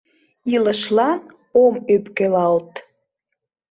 Илышлан ом ӧпкелалт.